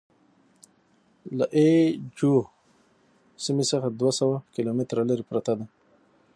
له اي جو سیمې څخه دوه سوه کیلومتره لرې پرته ده.